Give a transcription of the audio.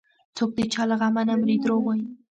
څوك د چا له غمه نه مري دروغ وايي